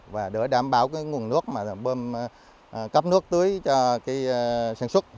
và để đảm bảo nguồn nước cấp nước tưới cho sản xuất